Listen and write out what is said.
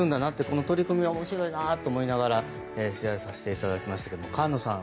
この取り組みは面白いなと思いながら取材させていただきましたが菅野さん